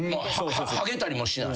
はげたりもしない。